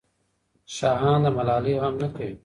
شاهان د ملالۍ غم نه کوي.